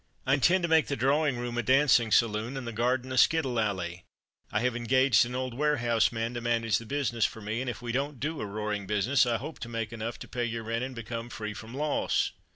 "I intend to make the drawing room a dancing saloon, and the garden a skittle alley. I have engaged an old warehouseman to manage the business for me, and if we don't do a roaring business, I hope to make enough to pay your rent, and become free from loss."